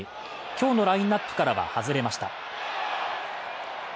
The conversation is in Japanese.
今日のラインナップからは外れました。